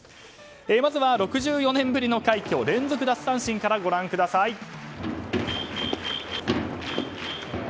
まずは６４年ぶりの快挙連続奪三振からご覧ください。